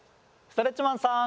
ストレッチマンさん